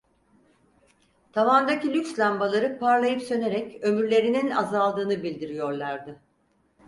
Tavandaki lüks lambaları parlayıp sönerek ömürlerinin azaldığını bildiriyorlardı.